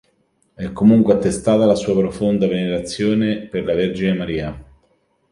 È comunque attestata la sua profonda venerazione per la Vergine Maria.